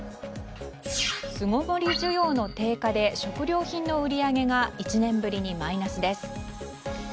巣ごもり需要の低下で食料品の売り上げが１年ぶりにマイナスです。